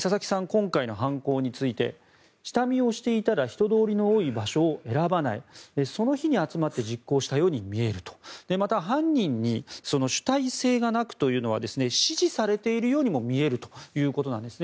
今回の犯行について下見をしていたら人通りの多い場所を選ばないその日に集まって実行したように見えるまた、犯人に主体性がなくというのは指示されているようにも見えるということなんですね。